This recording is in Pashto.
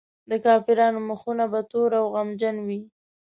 د کافرانو مخونه به تور او غمجن وي.